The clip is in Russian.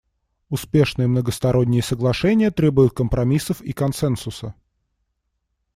Успешные многосторонние соглашения требуют компромиссов и консенсуса.